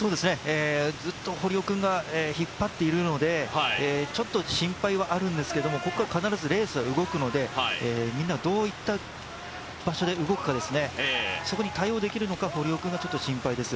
ずっと堀尾君が引っ張っているのでちょっと心配はあるんですけど、ここから必ずレースが動くのでみんなどういった場所で動くかですね、そこに対応できるのか、堀尾君がちょっと心配です。